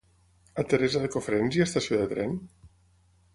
A Teresa de Cofrents hi ha estació de tren?